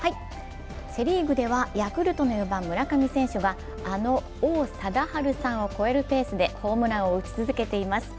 セ・リーグではヤクルトの４番・村上選手があの王貞治さんを超えるペースでホームランを打ち続けています。